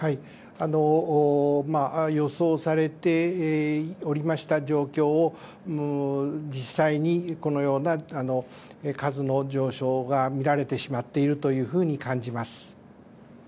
予想されておりました状況を実際に、このような数の上昇が見られてしまっているというふうに感じます。